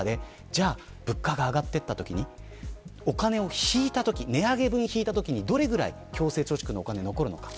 じゃあ、物価が上がっていったときにお金を引いたとき値上げ分を引いたときにどれくらい強制貯蓄が残るのか。